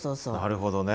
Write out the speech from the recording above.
なるほどね。